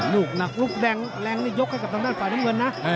ลูกหนักลูกแรงนี่ยกให้กับทางด้านฝ่ายน้ำเงินนะ